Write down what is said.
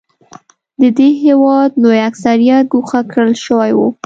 د دې هېواد لوی اکثریت ګوښه کړل شوی و.